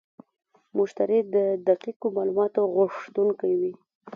مشتری د دقیقو معلوماتو غوښتونکی وي.